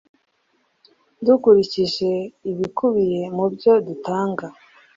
Dukurikije ibikubiye mubyo dutanga